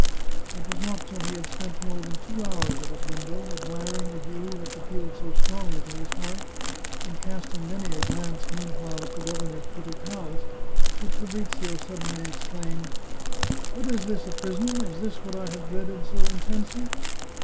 It was not till he had spent more than two hours at his window, admiring the view which appealed so strongly to his heart, and cast ing many a glance, meanwhile, at the governor's pretty palace, that Fabrizio suddenly exclaimed :" But is this a prison ? Is this what I have dreaded so intensely